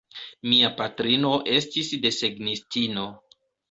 Mia patrino estis desegnistino.